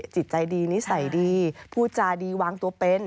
จิตใจดีนิสัยดีพูดจาดีวางตัวเป็น